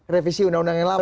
revisi undang undang yang lama